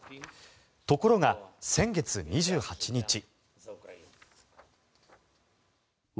ところが、先月２８日。